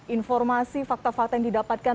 informasi fakta fakta yang didapatkan